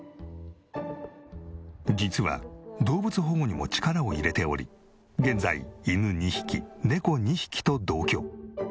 実は動物保護にも力を入れており現在犬２匹猫２匹と同居。